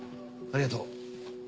ありがとう。